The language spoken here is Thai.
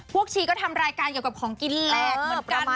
ชีก็ทำรายการเกี่ยวกับของกินแหลกเหมือนกัน